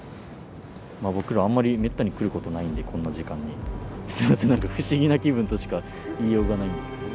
まあ僕らあんまりめったに来ることないんでこんな時間に。すいませんなんか不思議な気分としか言いようがないんですけど。